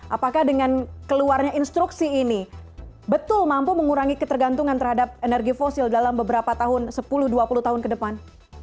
apakah dengan keluarnya instruksi ini betul mampu mengurangi ketergantungan terhadap energi fosil dalam beberapa tahun sepuluh dua puluh tahun ke depan